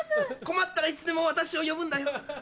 困ったらいつでも私を呼ぶんだよ。